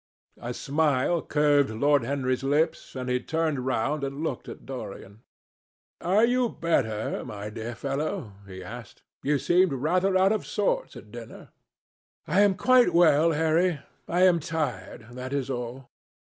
A smile curved Lord Henry's lips, and he turned round and looked at Dorian. "Are you better, my dear fellow?" he asked. "You seemed rather out of sorts at dinner." "I am quite well, Harry. I am tired. That is all."